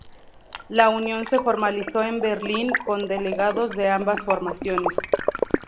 La unión se formalizó en Berlín con delegados de ambas formaciones.